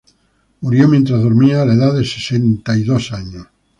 Murió mientras dormía, a la edad de sesenta y dos años.